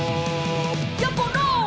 「やころ！」